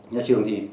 nhà trường thì